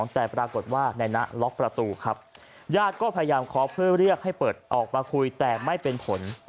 แต่ปรากฏว่าในนะล็อกประตูครับญาติก็พยายามเคาะเพื่อเรียกให้เปิดออกมาคุยแต่ไม่เป็นผล